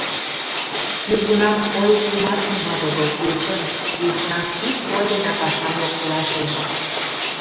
«Южгунам ой пуымат нимат огыл, тиде чын, южгунам ик ой денак пашам локтылаш лиеш!»